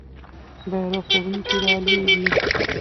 بیرغ وړونکی رالویږي.